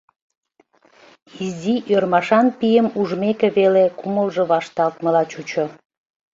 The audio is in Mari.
Изи ӧрмашан пийым ужмеке веле кумылжо вашталтмыла чучо.